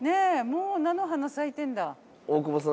もう菜の花咲いてんだ。